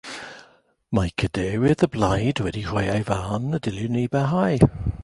Mae cadeirydd y blaid wedi rhoi ei farn y dylwn i barhau